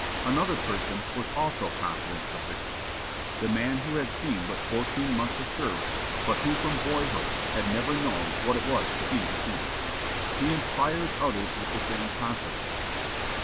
Another person was also confident of victory the man who had seen but fourteen months of service, but who from boyhood had never known what it was to be defeated. He inspired others with the same confidence.